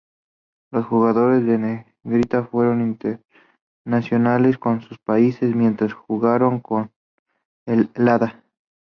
Los jugadores en negrita fueron internacionales con sus países mientras jugaron con el Lada.